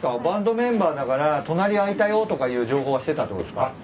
バンドメンバーだから「隣空いたよ」とかいう情報は知ってたってことですか？